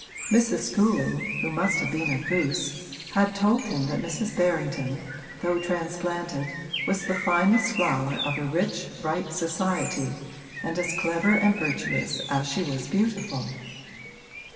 Mrs. Schooling, who must have been a goose, had told him that Mrs. Berrington, though transplanted, was the finest flower of a rich, ripe society and as clever and virtuous as she was beautiful.